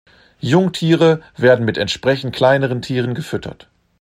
Jungtiere werden mit entsprechend kleineren Tieren gefüttert.